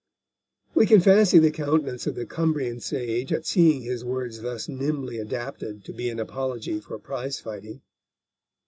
We can fancy the countenance of the Cumbrian sage at seeing his words thus nimbly adapted to be an apology for prize fighting.